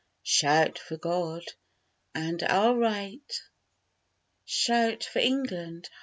Shout for God and our right! Chorus. Shout for England! etc.